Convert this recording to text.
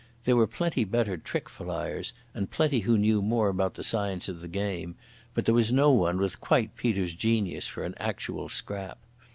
There were plenty better trick flyers, and plenty who knew more about the science of the game, but there was no one with quite Peter's genius for an actual scrap.